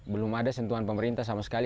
belum ada sentuhan pemerintah sama sekali